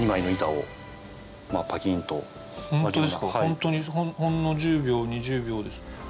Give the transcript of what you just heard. ホントにほんの１０秒２０秒で。